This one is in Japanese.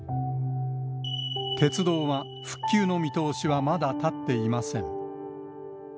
鉄道は復旧の見通しはまだ立っていません。